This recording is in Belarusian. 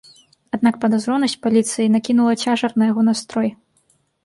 Аднак падазронасць паліцыі накінула цяжар на яго настрой.